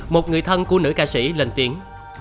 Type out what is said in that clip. một người thân của nữ ca sĩ lên tiếng